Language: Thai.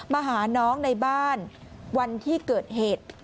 มาหาน้องในบ้านวันที่เกิดเหตุ